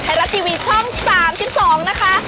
ไทยรัฐทีวีช่อง๓๒นะคะ